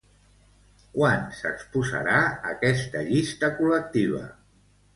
Quan s'exposarà aquesta llista col·lectiva?